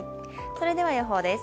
それでは予報です。